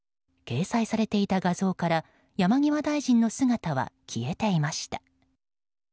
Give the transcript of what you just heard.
掲載されていた画像から山際大臣の姿は消えていました。